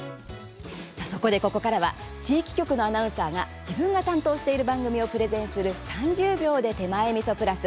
そこで、ここからは地域局のアナウンサーが自分が担当している番組をプレゼンする「３０秒で手前みそプラス」。